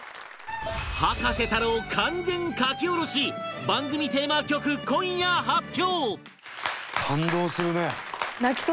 葉加瀬太郎完全書き下ろし番組テーマ曲今夜発表！